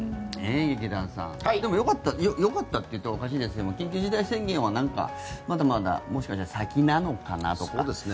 劇団さん、でもよかったというとおかしいですが緊急事態宣言はまだまだもしかしたら先なのかなとか。